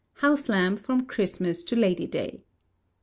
House Lamb from Christmas to Lady day.